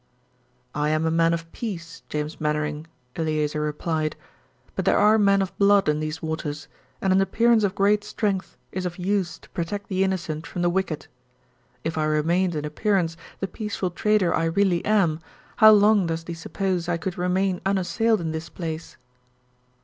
"I am a man of peace, James Mainwaring," Eleazer replied, "but there are men of blood in these waters, and an appearance of great strength is of use to protect the innocent from the wicked. If I remained in appearance the peaceful trader I really am, how long does thee suppose I could remain unassailed in this place?"